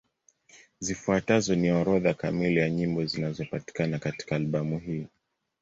Zifuatazo ni orodha kamili ya nyimbo zinapatikana katika albamu hii.